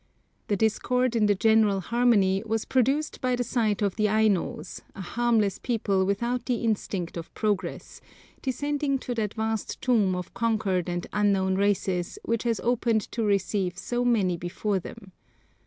The discord in the general harmony was produced by the sight of the Ainos, a harmless people without the instinct of progress, descending to that vast tomb of conquered and unknown races which has opened to receive so many before them.